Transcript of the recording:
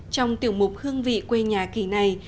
trong tiểu mục hương vị quê nhà kỳ này